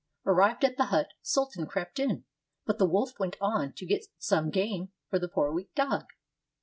Arrived at the hut. Sultan crept in, but the wolf went on to get some game for the poor weak dog.